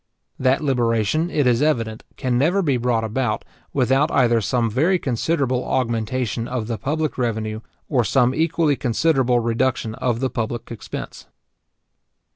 That liberation, it is evident, can never be brought about, without either some very considerable augmentation of the public revenue, or some equally considerable reduction of the public expense.